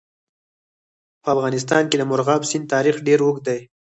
په افغانستان کې د مورغاب سیند تاریخ ډېر اوږد دی.